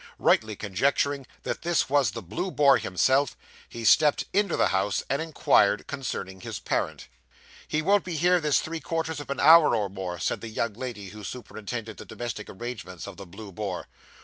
Rightly conjecturing that this was the Blue Boar himself, he stepped into the house, and inquired concerning his parent. 'He won't be here this three quarters of an hour or more,' said the young lady who superintended the domestic arrangements of the Blue Boar.